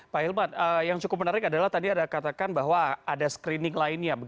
pak hilmat yang cukup menarik adalah tadi ada katakan bahwa ada screening lainnya